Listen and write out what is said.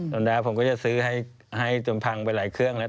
น้าผมก็จะซื้อให้จนพังไปหลายเครื่องแล้ว